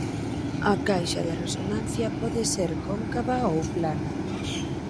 A caixa de resonancia pode ser cóncava ou plana.